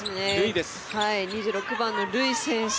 ２６番のルイ選手